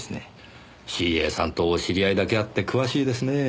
ＣＡさんとお知り合いだけあって詳しいですねぇ。